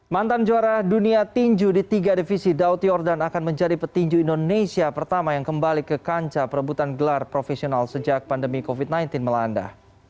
mantan juara dunia tinju di tiga divisi daud yordan akan menjadi petinju indonesia pertama yang kembali ke kancah perebutan gelar profesional sejak pandemi covid sembilan belas melanda